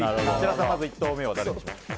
まずは１投目は誰にしましょうか。